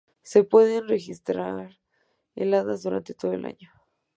Se pueden registrar heladas durante todo el año.